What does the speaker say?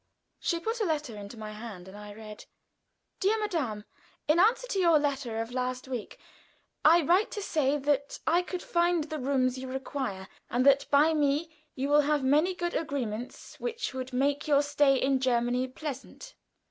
She put a letter into my hand, and I read: "DEAR MADAME, In answer to your letter of last week, I write to say that I could find the rooms you require, and that by me you will have many good agreements which would make your stay in Germany pleasanter.